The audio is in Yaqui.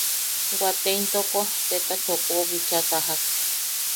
Wate intoko Teta Chopou bicha sajak.